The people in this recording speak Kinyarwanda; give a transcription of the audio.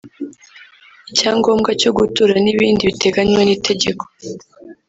icyangombwa cyo gutura n’ibindi biteganywa n’itegeko